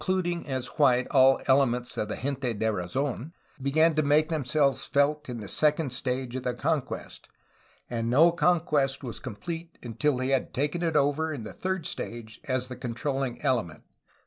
154 A HISTORY OF CALIFORNIA The civilian whites ^ began to make themselves felt in the second stage of the conquest, and no conquest was complete until they had taken it over in the third stage as the controll ing element.